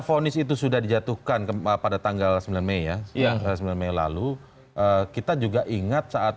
ponis itu sudah dijatuhkan kembali pada tanggal sembilan meia yang harus melalui lalu kita juga ingat saat